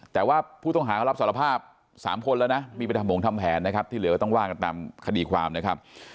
แต่ว่าผู้ต้องหาเขารับสารภาพ๓คนแล้วนะมีไปทำหงทำแผนนะครับที่เหลือก็ต้องว่ากันตามคดีความนะครับ